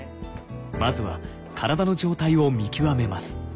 まずは体の状態を見極めます。